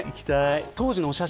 当時のお写真